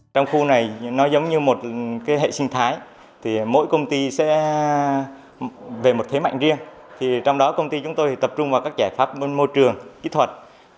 trong khu này nó giống như một hệ sinh thái mỗi công ty sẽ về một thế mạnh riêng trong đó công ty chúng tôi tập trung vào các giải pháp môi trường kỹ thuật